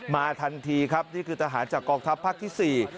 มาทันทีครับนี่คือทหารจากกองทัพภาคที่๔